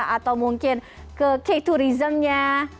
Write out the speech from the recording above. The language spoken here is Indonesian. atau mungkin ke k tourismnya